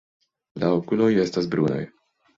La okuloj estas brunaj.